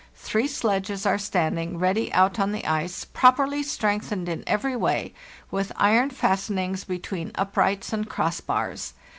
Three sledges are standing ready out on the ice, properly strengthened in every way, with iron fastenings between uprights and crossbars.